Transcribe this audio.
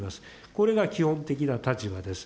これが基本的な立場です。